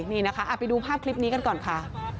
นี่นะคะไปดูภาพคลิปนี้กันก่อนค่ะ